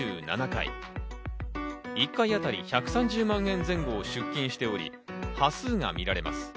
１回あたり１３０万円前後を出金しており、端数が見られます。